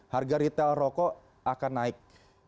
harga retail rokok akan naik